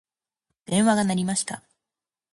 電話が鳴りました。